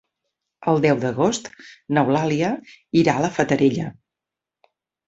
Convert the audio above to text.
El deu d'agost n'Eulàlia irà a la Fatarella.